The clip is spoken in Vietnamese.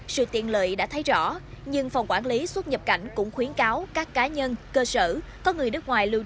sự tiện lợi đã thấy rõ nhưng phòng quản lý xuất nhập cảnh cũng khuyến cáo các cá nhân cơ sở có người nước ngoài lưu trú